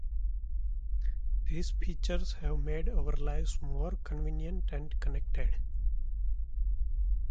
These features have made our lives more convenient and connected.